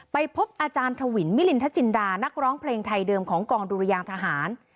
ไปพบอาจารย์ถวินมิลินทจินดานักร้องเพลงไทยเดิมของกองดุรยางทหาร